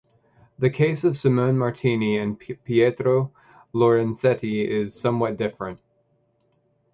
The case of Simone Martini and Pietro Lorenzetti is somewhat different.